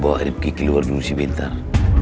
pasemu boh rifqi keluar dulu sih bener